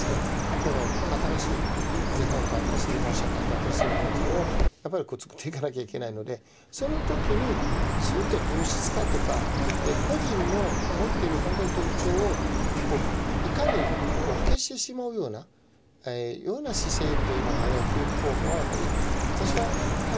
この新しい日本と新しい日本社会と新しい日本人をつくっていかなきゃいけないのでその時にずっと同質化とか個人の持ってるほんとに特徴をいかに消してしまうような姿勢というのはあれは教育方法はやっぱり私は多分通用しないと思うんですよ。